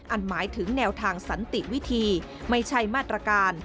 หมายถึงแนวทางสันติวิธีไม่ใช่มาตรการ